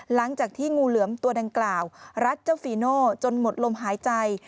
หลังจากที่งูเหลือมตัวดังกล่าวรัดเจ้าฟีโน่จนหมดลมหายใจ